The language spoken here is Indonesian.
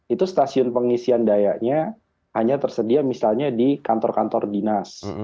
itu stasiun pengisian dayanya hanya tersedia misalnya di kantor kantor dinas